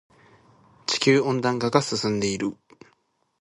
地球温暖化が進んでいる。